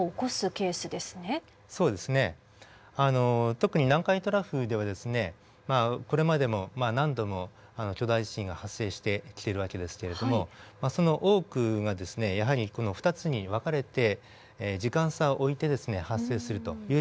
特に南海トラフではこれまでも何度も巨大地震が発生してきてる訳ですけれどもその多くがやはり２つに分かれて時間差を置いて発生するというケースになってますね。